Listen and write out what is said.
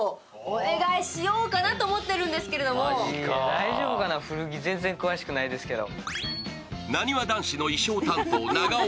大丈夫かな、古着全然詳しくないですけど。